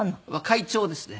会長ですね。